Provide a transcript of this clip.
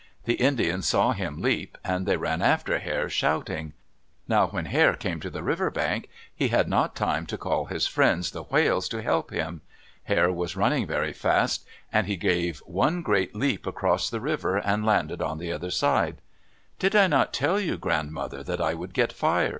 The Indians saw him leap, and they ran after Hare shouting. Now when Hare came to the river bank he had not time to call his friends, the whales, to help him. Hare was running very fast, and he gave one great leap across the river and landed on the other side. "Did I not tell you, Grandmother, that I would get fire?"